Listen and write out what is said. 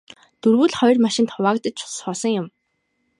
Дөрвүүл хоёр машинд хуваагдаж суусан юм.